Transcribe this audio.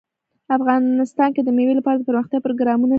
افغانستان کې د مېوې لپاره دپرمختیا پروګرامونه شته.